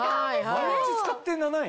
毎日使って７円？